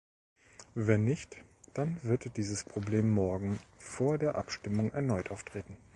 Wenn nicht, dann wird dieses Problem morgen vor der Abstimmung erneut auftreten.